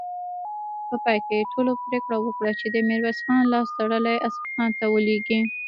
په پای کې ټولو پرېکړه وکړه چې ميرويس خان لاس تړلی اصفهان ته ولېږي.